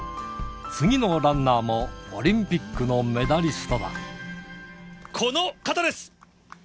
次のランナーも、オリンピックのこの方です。